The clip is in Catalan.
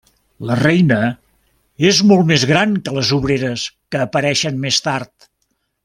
La reina és molt més gran que les obreres que apareixen més tard.